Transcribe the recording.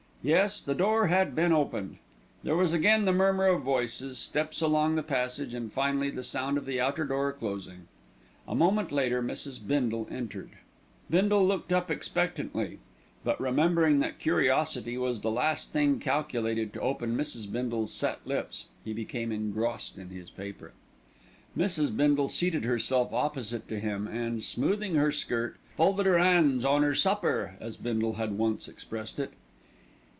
Yes; the door had been opened. There was again the murmur of voices, steps along the passage and, finally, the sound of the outer door closing. A moment later Mrs. Bindle entered. Bindle looked up expectantly; but remembering that curiosity was the last thing calculated to open Mrs. Bindle's set lips, he became engrossed in his paper. Mrs. Bindle seated herself opposite to him and, smoothing her skirt, "folded 'er 'ands on 'er supper," as Bindle had once expressed it.